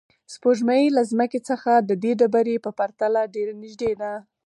سپوږمۍ له ځمکې څخه د دې ډبرې په پرتله ډېره نږدې ده.